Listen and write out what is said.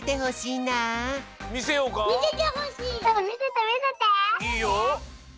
いいよ。